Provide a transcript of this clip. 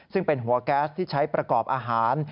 ซึ่งเป็นหัวแก๊สที่ใช้ประกอบอาหาร